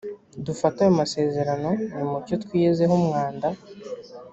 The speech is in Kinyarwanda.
dufate ayo masezerano nimucyo twiyezeho umwanda